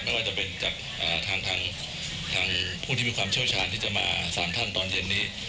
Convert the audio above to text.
ไม่ว่าจะเป็นจากทางผู้ที่มีความเชี่ยวชาญที่จะมาสารท่านตอนเย็นนี้